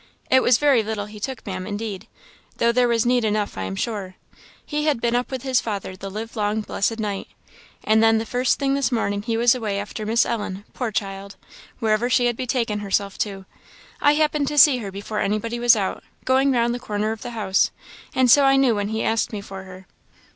"It was very little he took, Ma'am, indeed though there was need enough I am sure; he had been up with his father the live long blessed night. And then the first thing this morning he was away after Miss Ellen, poor child! wherever she had betaken herself to; I happened to see her before anybody was out, going round the corner of the house, and so I knew when he asked me for her."